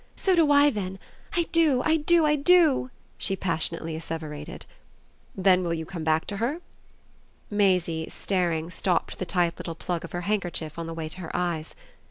"So do I then. I do, I do, I do!" she passionately asseverated. "Then will you come back to her?" Maisie, staring, stopped the tight little plug of her handkerchief on the way to her eyes.